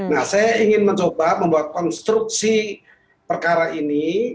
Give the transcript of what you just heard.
nah saya ingin mencoba membuat konstruksi perkara ini